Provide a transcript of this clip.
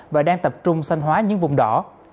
và đang tập trung xanh hóa những vùng đỏ